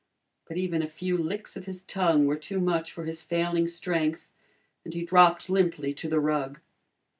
But even a few licks of his tongue were too much for his failing strength, and he dropped limply to the rug.